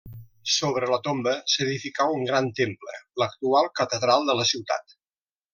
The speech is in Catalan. Sobre la tomba s'edificà un gran temple, l'actual catedral de la ciutat.